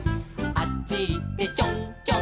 「あっちいってちょんちょん」